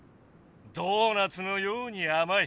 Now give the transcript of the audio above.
ドーナツのようにあまい。